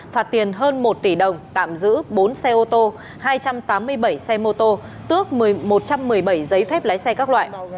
phạt tiền hơn một tỷ đồng tạm giữ bốn xe ô tô hai trăm tám mươi bảy xe mô tô tước một trăm một mươi bảy giấy phép lái xe các loại